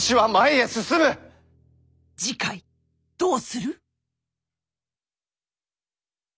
次回どうする？